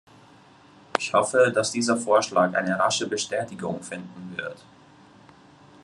Ich hoffe, dass dieser Vorschlag eine rasche Bestätigung finden wird.